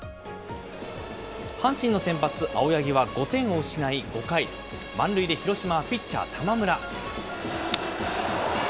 阪神の先発、青柳は５点を失い、５回、満塁で広島はピッチャー、玉村。